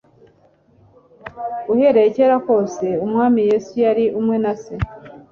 Uhereye kera kose Umwami Yesu yari umwe na Se; "